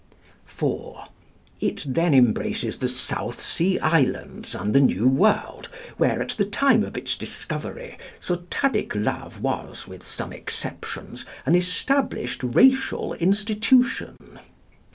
"(4) It then embraces the South Sea Islands and the New World, where, at the time of its discovery, Sotadic love was, with some exceptions, an established racial institution.